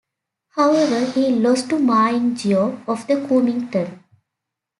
However, he lost to Ma Ying-jeou of the Kuomintang.